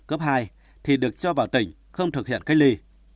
cấp hai thì được cho vào tỉnh không thực hiện cách ly